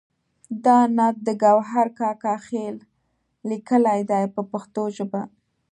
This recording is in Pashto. دا نعت د ګوهر کاکا خیل لیکلی دی په پښتو ژبه.